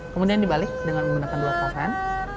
kemudian dibalik dengan menggunakan dua pasan